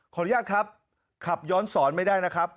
อนุญาตครับขับย้อนสอนไม่ได้นะครับ